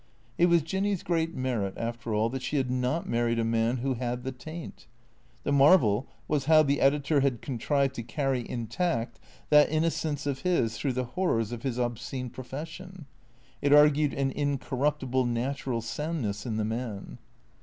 It was Jinny's great merit, after all, that she had not married a man who had the taint. The marvel was how the editor had con trived to carry intact that innocence of his through the horrors of his obscene profession. It argued an incorruptible natural soundness in the man.